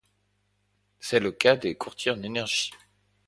C'est le cas des courtiers en énergie.